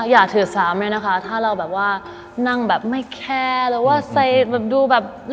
อย่าถือสามเนี่ยนะคะถ้าเรานั่งแบบไม่แค่ดูแบบร